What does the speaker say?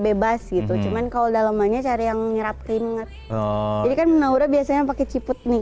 bebas gitu cuman kalau dalamannya cari yang nyerap keringet jadi kan menaura biasanya pakai ciput nih